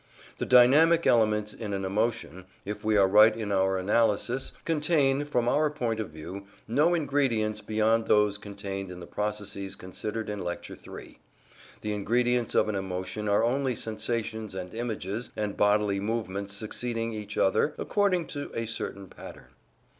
The dynamic elements in an emotion, if we are right in our analysis, contain, from our point of view, no ingredients beyond those contained in the processes considered in Lecture III. The ingredients of an emotion are only sensations and images and bodily movements succeeding each other according to a certain pattern.